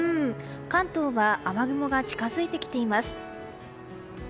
関東は雨雲が近づいてきています。